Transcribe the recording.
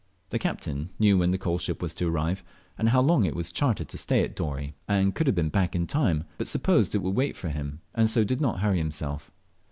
The captain knew when the coalship was to arrive, and how long it was chartered to stay at Dorey, and could have been back in time, but supposed it would wait for him, and so did not hurry himself.